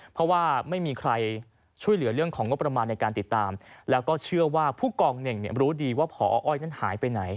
เพราะว่าไม่มีใครช่วยเหลือเรื่องของงบประมาณในการติดตามแล้วก็เชื่อว่าผู้กองเน่งรู้ดีว่าพออ้อยนั้นหายไปไหน